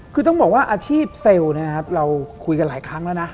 คือต้องบอกว่าอาชีพเซลล์นะครับเราคุยกันหลายครั้งแล้วนะ